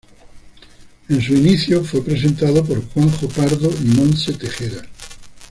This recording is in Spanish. En sus inicios fue presentado por Juanjo Pardo y Montse Tejera.